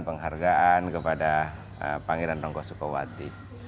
penghargaan kepada pangeran ronggo soekowati